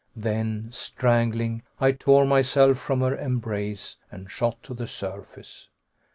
Then, strangling, I tore myself from her embrace and shot to the surface.